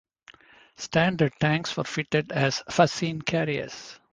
Standard tanks were fitted as fascine carriers.